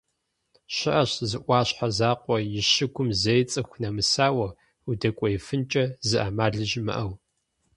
ЩыӀэщ зы Ӏуащхьэ закъуэ и щыгум зэи цӀыху нэмысауэ, удэкӀуеифынкӀэ зы Ӏэмали щымыӀэу.